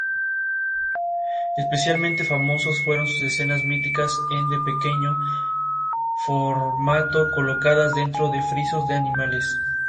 Especialmente famosos fueron sus escenas míticas ende pequeño formato colocadas dentro frisos de animales.